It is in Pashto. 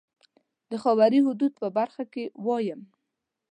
د خاوري حدودو په برخه کې ووایم.